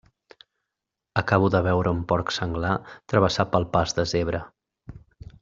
Acabo de veure un porc senglar travessar pel pas de zebra.